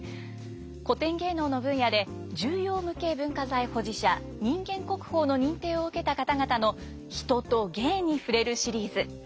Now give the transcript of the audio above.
古典芸能の分野で重要無形文化財保持者人間国宝の認定を受けた方々の「人と芸」に触れるシリーズ。